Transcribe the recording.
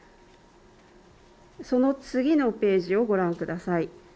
その次のページをご覧ください。